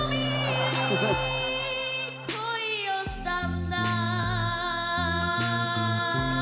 「恋をしたんだ」